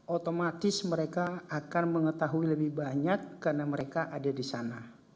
otomatis mereka akan mengetahui lebih banyak karena mereka ada di sana